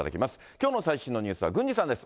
きょうの最新のニュースは郡司さんです。